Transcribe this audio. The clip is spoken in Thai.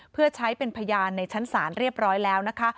เพื่อใช้เป็นพยานในชั้นศาลเรียบร้อยแล้วนะคะ